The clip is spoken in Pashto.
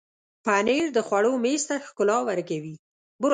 پنېر د خوړو میز ته ښکلا ورکوي.